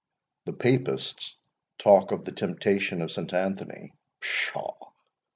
The Papists talk of the temptation of St. Anthony—pshaw!